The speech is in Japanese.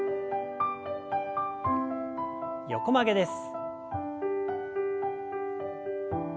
横曲げです。